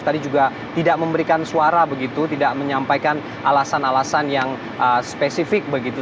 tadi juga tidak memberikan suara begitu tidak menyampaikan alasan alasan yang spesifik begitu